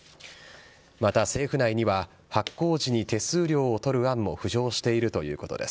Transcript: また、政府内には発行時に手数料を取る案も浮上しているということです。